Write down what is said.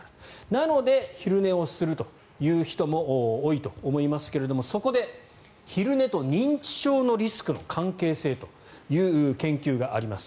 なので、昼寝をするという人も多いと思いますけれどもそこで、昼寝と認知症のリスクの関係性という研究があります。